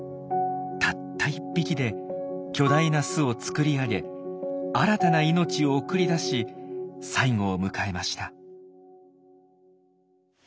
たった１匹で巨大な巣を作り上げ新たな命を送り出し最期を迎えました。